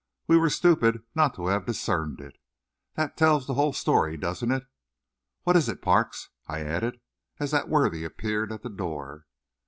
We were stupid not to have discerned it. That tells the whole story, doesn't it? What is it, Parks?" I added, as that worthy appeared at the door.